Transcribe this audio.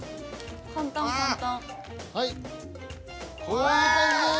こういう感じです。